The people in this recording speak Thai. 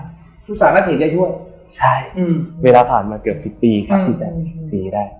ลูกสาวน่าจะเห็นยายวดใช่เวลาผ่านมาเกือบสิบปีครับสิสัยสองสิบปีได้